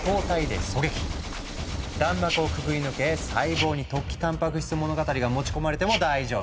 弾幕をくぐり抜け細胞に「突起たんぱく質物語」が持ち込まれても大丈夫。